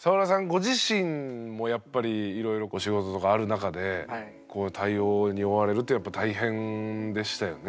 ご自身もやっぱりいろいろこう仕事とかある中でこう対応に追われるってやっぱ大変でしたよね。